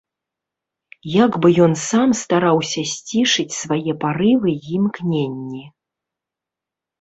Як бы ён сам стараўся сцішыць свае парывы і імкненні.